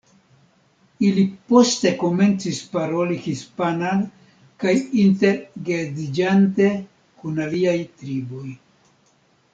Ili poste komencis paroli hispanan kaj inter-geedziĝante kun aliaj triboj.